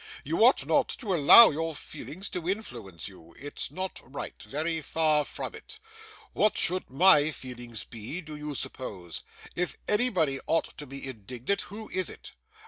You ought not to allow your feelings to influence you; it's not right, very far from it. What should my feelings be, do you suppose? If anybody ought to be indignant, who is it?